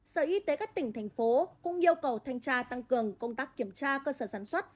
sở y tế các tỉnh thành phố cũng yêu cầu thanh tra tăng cường công tác kiểm tra cơ sở sản xuất